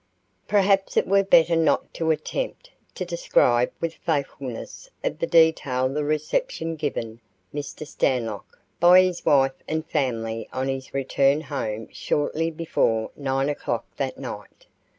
Perhaps it were better not to attempt to describe with faithfulness of detail the reception given Mr. Stanlock by his wife and family on his return home shortly before 9 o'clock that night.